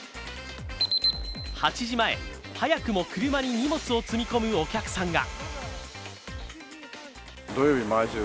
８時前、早くも車に荷物を積み込むお客さんが。